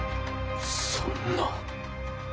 そんな。